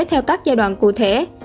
theo các giai đoạn cụ thể